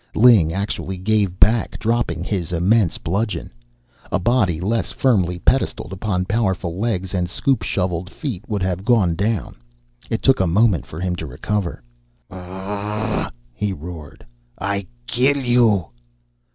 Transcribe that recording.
Ling actually gave back, dropping his immense bludgeon. A body less firmly pedestalled upon powerful legs and scoop shovel feet would have gone down. It took a moment for him to recover. "Aaaah!" he roared. "I kill you!"